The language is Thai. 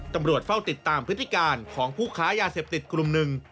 ตำรวจเฝ้าติดตามพฤติการของผู้ค้ายาเสพติดกลุ่มหนึ่ง